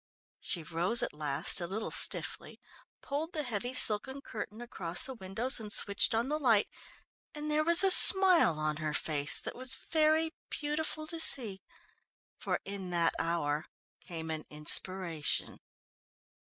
She rose at last a little stiffly, pulled the heavy silken curtain across the windows and switched on the light, and there was a smile on her face that was very beautiful to see. For in that hour came an inspiration.